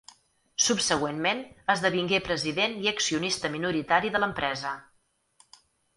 Subsegüentment esdevingué president i accionista minoritari de l'empresa.